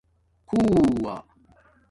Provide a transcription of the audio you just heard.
خُݸہ